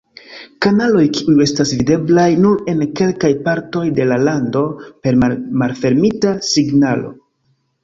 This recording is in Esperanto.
Kanaloj kiuj estas videblaj nur en kelkaj partoj de la lando per malfermita signalo.